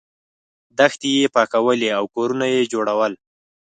دښتې یې پاکولې او کورونه یې جوړول.